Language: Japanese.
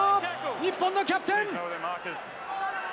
日本のキャプテン。